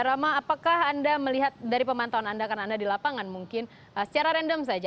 rama apakah anda melihat dari pemantauan anda karena anda di lapangan mungkin secara random saja